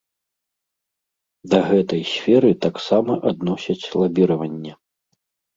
Да гэтай сферы таксама адносяць лабіраванне.